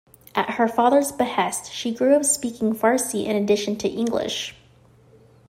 At her father's behest, she grew up speaking Farsi, in addition to English.